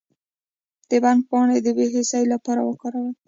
د بنګ پاڼې د بې حسی لپاره وکاروئ